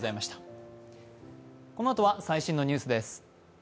このあとは最新のニュースです。